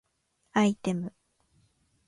アイテム